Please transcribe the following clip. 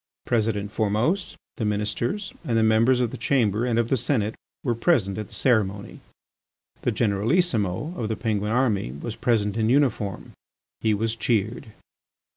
President Formose, the Ministers, and the members of the Chamber and of the Senate were present at the ceremony. The Generalissimo of the Penguin army was present in uniform. He was cheered.